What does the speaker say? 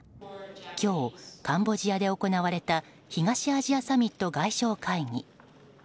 今日、カンボジアで行われた東アジアサミット外相会議。